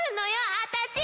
あたち！